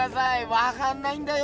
わかんないんだよ